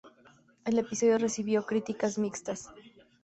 El episodio recibió críticas mixtas.